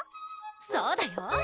そうだよ！